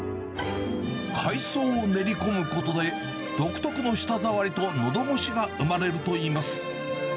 海藻を練り込むことで、独特の舌触りとのどごしが生まれるといいます。